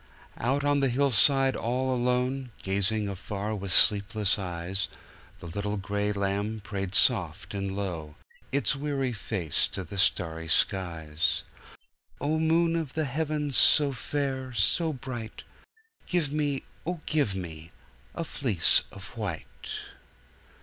Out on the hillside all alone, gazing afar with sleepless eyes, The little gray lamb prayed soft and low, its weary face to the starry skies:"O moon of the heavens so fair, so bright, Give me oh, give me a fleece of white!"